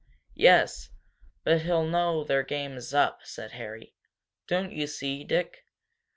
"Yes, but he'll know their game is up," said Harry. "Don't you see, Dick?